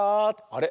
あれ？